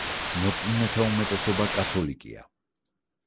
მორწმუნეთა უმეტესობა კათოლიკეა.